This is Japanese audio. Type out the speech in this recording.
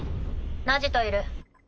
ナジといる。